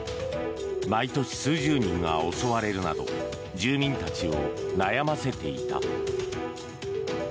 毎年数十人が襲われるなど住民たちを悩ませていた。